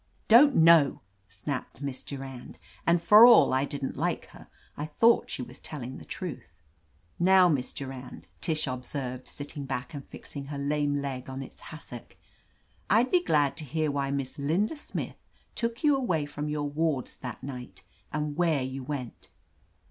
"Don't know," snapped Miss Durand, and for all I didn't like her, I thought she was tell ing the truth. "Now, Miss Durand," Tish observed, sit ting back and fixing her lame leg on its has sock, "I'd be glad to hear why Miss Linda Smith took you away from your wards that night, and where you went."